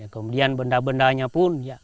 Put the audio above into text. kemudian benda bendanya pun